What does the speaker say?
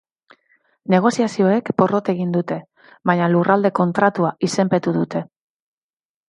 Negoziazioek porrot egin dute, baina Lurralde Kontratua izenpetu dute.